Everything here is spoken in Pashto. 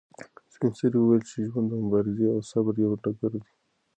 سپین سرې وویل چې ژوند د مبارزې او صبر یو ډګر دی.